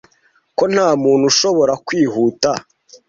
ko nta muntu ushobora kwihuta